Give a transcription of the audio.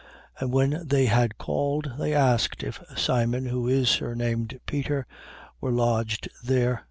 10:18. And when they had called, they asked if Simon, who is surnamed Peter, were lodged there.